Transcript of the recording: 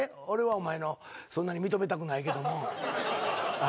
俺はお前のそんなに認めたくないけども。